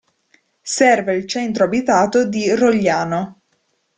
Serve il centro abitato di Rogliano.